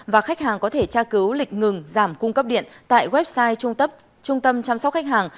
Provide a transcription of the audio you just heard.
và khách hàng có thể tra cứu lịch ngừng giảm cung cấp điện tại website trung tâm chăm sóc khách hàng